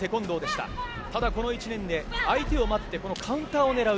ただ、この１年で相手を待ってカウンターを狙う。